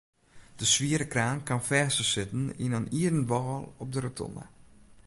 De swiere kraan kaam fêst te sitten yn in ierden wâl op de rotonde.